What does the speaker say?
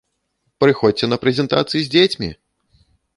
Прыходзьце на прэзентацыі з дзецьмі!